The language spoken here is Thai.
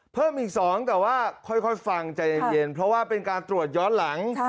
เพิ่มอีก๒แต่ว่าค่อยฟังใจเย็นเพราะว่าเป็นการตรวจย้อนหลัง